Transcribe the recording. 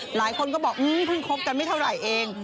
หลายคนก็บอกเพิ่งคบกันไม่เท่าไหร่เอง